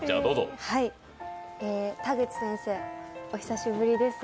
田口先生、お久しぶりです。